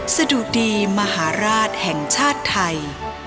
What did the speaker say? สะดุดีมหาราชแห่งชาติไทย